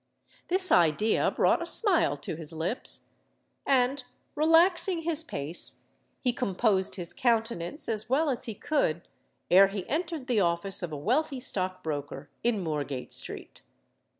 This idea brought a smile to his lips; and, relaxing his pace, he composed his countenance as well as he could ere he entered the office of a wealthy stockbroker in Moorgate Street.